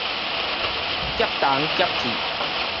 夾銅夾鐵